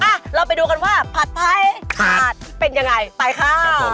อ่ะเราไปดูกันว่าผัดไทยขาดเป็นยังไงไปค่ะ